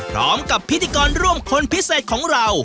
พร้อมกับพิธีกรร่วมคนพิเศษของเรา